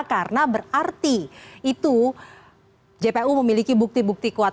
karena berarti itu jpu memiliki bukti bukti kuat